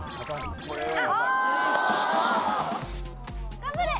頑張れ！